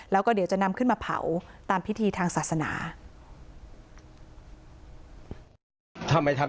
แล้วก็เดี๋ยวจะนำขึ้นมาเผาตามพิธีทางศาสนา